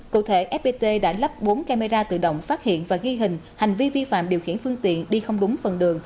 cụ thể fpt đã lắp bốn camera tự động phát hiện và ghi hình hành vi vi phạm điều khiển phương tiện đi không đúng phần đường